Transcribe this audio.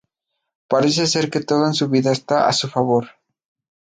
Parece ser que todo en su vida está a su favor.